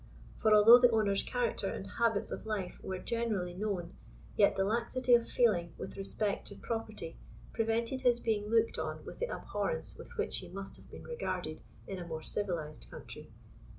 For although the owner's character and habits of life were generally known, yet the laxity of feeling with respect to property prevented his being looked on with the abhorrence with which he must have been regarded in a more civilized country.